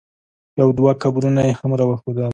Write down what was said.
یو دوه قبرونه یې هم را وښودل.